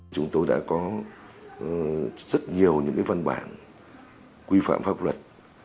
chúng tôi đã có rất nhiều những văn bản quy phạm pháp luật